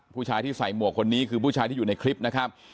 ผู้ชายที่ใส่หมวกคนนี้คือผู้ชายที่อยู่ในคลิปนะครับ